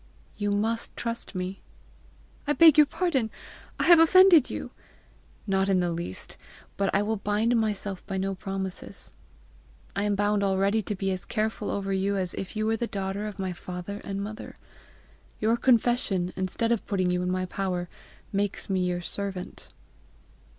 "You must trust me." "I beg your pardon! I have offended you!" "Not in the least. But I will bind myself by no promises. I am bound already to be as careful over you as if you were the daughter of my father and mother. Your confession, instead of putting you in my power, makes me your servant."